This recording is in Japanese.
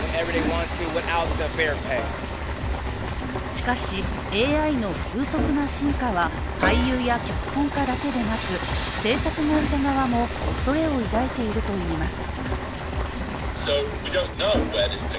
しかし、ＡＩの急速な進化は俳優や脚本家だけでなく制作会社側も恐れを抱いているといいます。